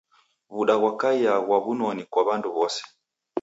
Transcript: W'uda ghwakaia ghwa w'unoni kwa w'andu w'ose.